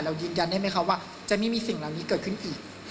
ยืนยันได้ไหมคะว่าจะไม่มีสิ่งเหล่านี้เกิดขึ้นอีก